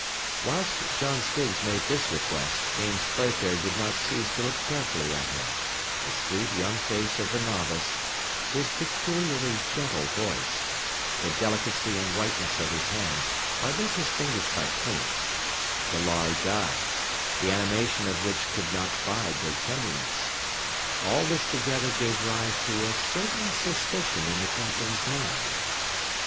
Whilst John Stiggs made this request, James Playfair did not cease to look carefully at him; the sweet young face of the novice, his peculiarly gentle voice, the delicacy and whiteness of his hands, hardly disguised by paint, the large eyes, the animation of which could not bide their tenderness all this together gave rise to a certain suspicion in the Captain's mind.